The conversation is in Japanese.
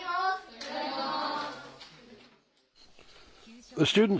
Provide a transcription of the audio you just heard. いただきます。